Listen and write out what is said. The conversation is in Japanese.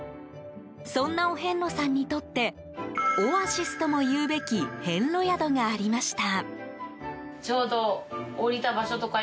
そんなお遍路さんにとってオアシスともいうべき遍路宿がありました。